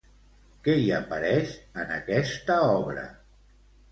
Què hi apareix en aquesta obra?